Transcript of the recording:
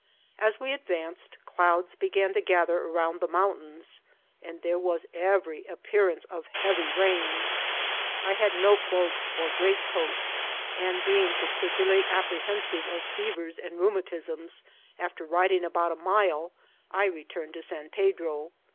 As we advanced, clouds began to gather around the mountains, and there was every appearance of heavy rain. I had no cloak or greatcoat, and, being particu larly apprehensive of fevers and rheumatisms, after ri* ding about a mile I returned to San Pedro.